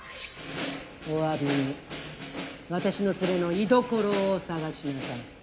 おわびに私のツレの居所を捜しなさい。